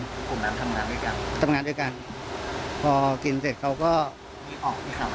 กลุ่มน้ำทำงานด้วยกันทำงานด้วยกันพอกินเสร็จเขาก็ออก